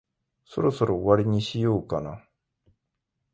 そろそろ終わりにしようかな。